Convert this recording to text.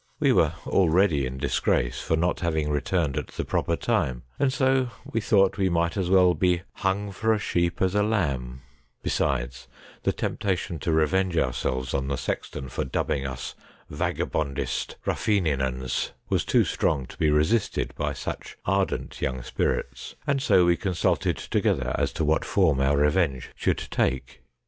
We were already in dis grace for not having returned at the proper time, and so we thought we might as well be ' hung for a sheep as a lamb '; besides, the temptation to revenge ourselves on the sexton for dubbing us ' vagabondist ruffeeninans ' was too strong to be resisted by such ardent young spirits, and so we consulted together as to what form our revenge should take.